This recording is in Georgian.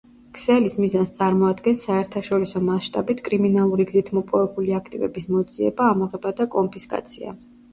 ქსელის მიზანს წარმოადგენს საერთაშორისო მასშტაბით კრიმინალური გზით მოპოვებული აქტივების მოძიება, ამოღება და კონფისკაცია.